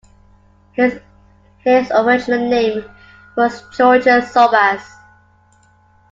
His original name was Georgios Zorbas.